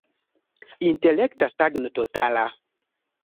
Intelekta stagno totala.